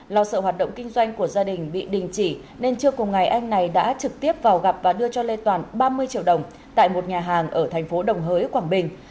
lo sợ hoạt động kinh doanh của gia đình bị đình chỉ nên trưa cùng ngày anh này đã trực tiếp vào gặp và đưa cho lê toàn ba mươi triệu đồng tại một nhà hàng ở thành phố đồng hới quảng bình